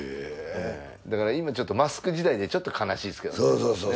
だから今マスク時代でちょっと悲しいですけどね。